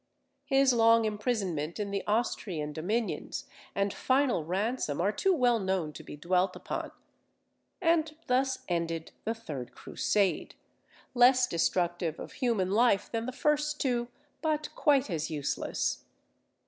His long imprisonment in the Austrian dominions and final ransom are too well known to be dwelt upon. And thus ended the third Crusade, less destructive of human life than the two first, but quite as useless.